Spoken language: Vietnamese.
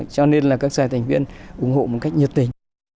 cho nên là các xã thành viên ủng hộ một cách nhiệt tình